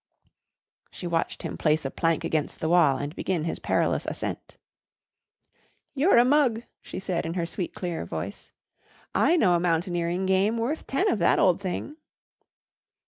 She watched him place a plank against the wall and begin his perilous ascent. "You're a mug," she said in her clear, sweet voice. "I know a mountaineering game worth ten of that old thing."